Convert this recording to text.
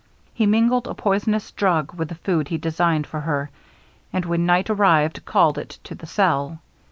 He mingled a poisonous drug with the food he designed for her; and when night arrived, carried it to the cell.